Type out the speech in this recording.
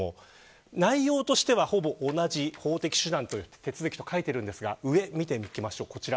内容としては、ほぼ同じ法的手段手続きと書いていますが上を見ていきます